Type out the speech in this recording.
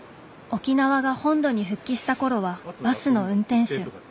沖縄が本土に復帰した頃はバスの運転手。